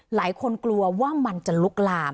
หลายคนกลัวว่ามันจะลุกลาม